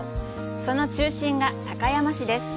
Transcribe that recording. その中心が高山市です。